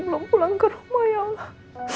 belum pulang ke rumah ya allah